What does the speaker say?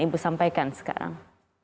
ibu sampaikan sekarang